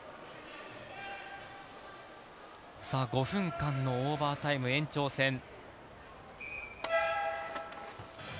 ５分間のオーバータイム延長戦。